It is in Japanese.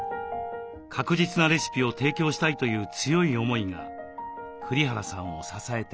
確実なレシピを提供したいという強い思いが栗原さんを支えています。